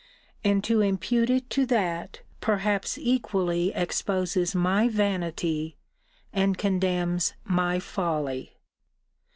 And, to impute it to that perhaps equally exposes my vanity, and condemns my folly.